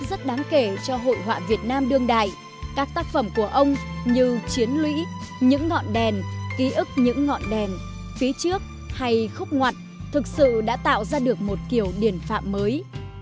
rất đáng kể cho hội họa việt nam đương đại các tác phẩm của ông như chiến lũy những ngọn đèn ký ức những ngọn đèn phía trước hay khúc ngoặt thực sự đã tạo ra được một kiểu điển phạm mới